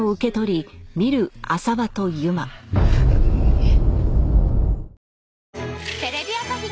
えっ？